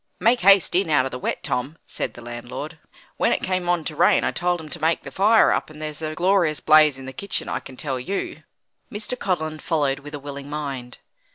"Make haste in out of the wet, Tom," said the landlord; "when it came on to rain I told 'em to make the fire up, and there's a glorious blaze in the kitchen, I can tell you." Mr. Codlin followed with a willing mind.